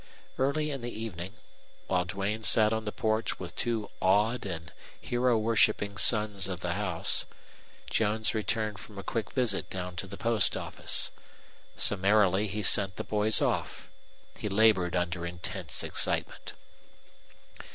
Early in the evening, while Duane sat on the porch with two awed and hero worshiping sons of the house, Jones returned from a quick visit down to the post office. Summarily he sent the boys off. He labored under intense excitement.